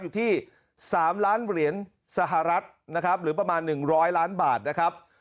อยู่ที่๓ล้านเหรียญสหรัฐนะครับหรือประมาณ๑๐๐ล้านบาทนะครับ